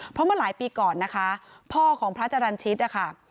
เพราะว่าหลายปีก่อนนะคะพ่อของพระจรัญชิตอ่ะค่ะ